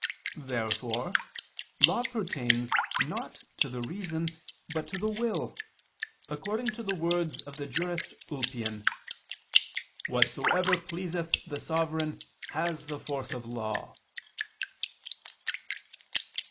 Therefore law pertains, not to the reason, but to the will; according to the words of the Jurist (Lib. i, ff., De Const. Prin. leg. i): "Whatsoever pleaseth the sovereign, has force of law."